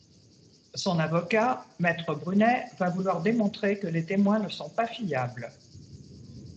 Son avocat M Brunet va vouloir démontrer que les témoins ne sont pas fiables.